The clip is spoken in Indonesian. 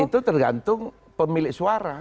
itu tergantung pemilik suara